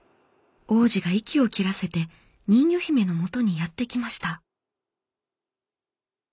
王子が息を切らせて人魚姫のもとにやって来ました。